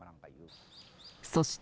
そして。